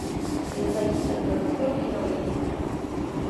Ensayista, traductor y novelista.